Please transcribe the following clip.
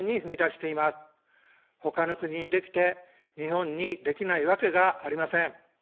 他の国にできて、日本にできないわけがありません。